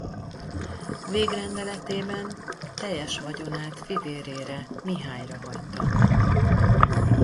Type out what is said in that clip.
Végrendeletében tejes vagyonát fivérére Mihályra hagyta.